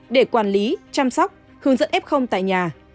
để quản lý chăm sóc hướng dẫn f tại nhà